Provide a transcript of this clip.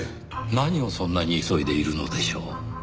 何をそんなに急いでいるのでしょう？